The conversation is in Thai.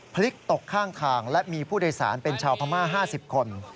พลิกตกข้างทางและมีผู้โดยสารเป็นชาวพม่า๕๐คน